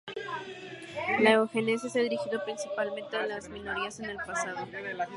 La eugenesia se ha dirigido principalmente a las minorías en el pasado.